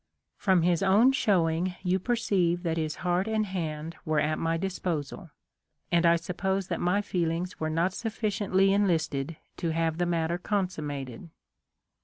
" From his own showing you perceive that his heart and hand were at my disposal ; and I suppose that my feelings were not sufficiently enlisted to have the matter consummated.